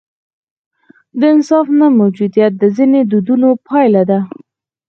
د انصاف نه موجودیت د ځینو دودونو پایله ده.